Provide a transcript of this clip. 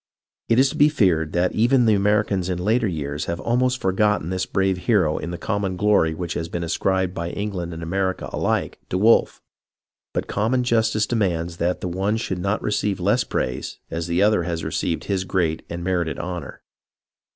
It is to be feared that even the Americans in later years have ahnost forgotten this brave hero in the common glor}' which has been ascribed by England and America aUke to Wolfe; but common justice demands that the one should not receive less praise, as the other has received his great and merited honor.